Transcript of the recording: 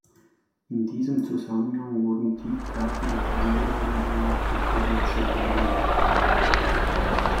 In diesem Zusammenhang wurden tiefgreifende Veränderungen am Nahverkehrsnetz unternommen.